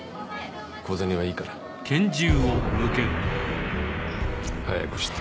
小銭はいいから。早くして。